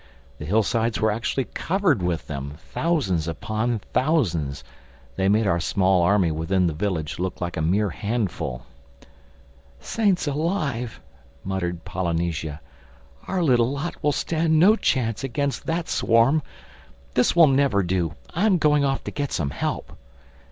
The hillsides were actually covered with them—thousands upon thousands. They made our small army within the village look like a mere handful. "Saints alive!" muttered Polynesia, "our little lot will stand no chance against that swarm. This will never do. I'm going off to get some help."